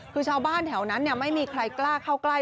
คือชาวบ้านแถวนั้นไม่มีใครกล้าเข้าใกล้